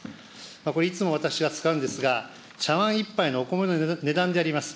これ、いつも私が使うんですが、茶わん１杯のお米の値段であります。